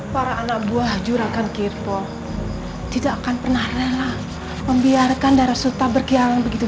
para anak buah jurakan kirpo tidak akan pernah rela membiarkan darasulta berkialang begitu